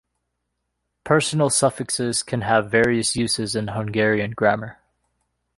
Personal suffixes can have various uses in Hungarian grammar.